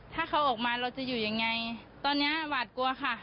ถ้าเขาออกมาเราจะอยู่ยังไงตอนนี้หวาดกลัวค่ะ